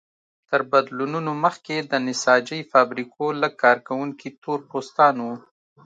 تر بدلونونو مخکې د نساجۍ فابریکو لږ کارکوونکي تور پوستان وو.